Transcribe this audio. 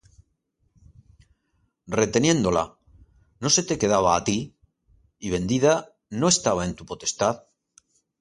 Reteniéndola, ¿no se te quedaba á ti? y vendida, ¿no estaba en tu potestad?